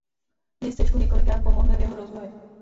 Městečku několikrát pomohli v jeho rozvoji.